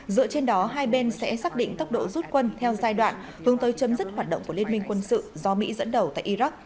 dựa trên đó hai bên sẽ xác định tốc độ rút quân theo giai đoạn hướng tới chấm dứt hoạt động của liên minh quân sự do mỹ dẫn đầu tại iraq